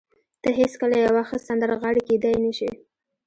ته هېڅکله یوه ښه سندرغاړې کېدای نشې